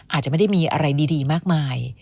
อาจจะไม่ได้มีอะไรดีมากมาย